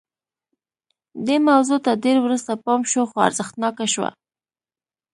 دې موضوع ته ډېر وروسته پام شو خو ارزښتناکه شوه